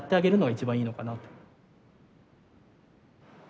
一番いいのかなって。